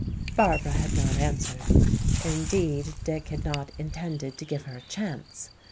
Barbara had not answered. Indeed, Dick had not intended to give her a chance.